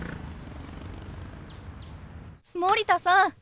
森田さん